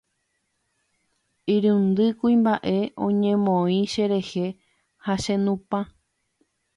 Irundy kuimbaʼe oñemoĩ cherehe ha chenupã.